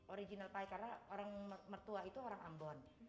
original pie karena orang mertua itu orang ambon